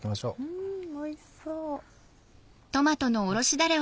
うんおいしそう。